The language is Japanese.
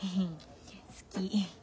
好き。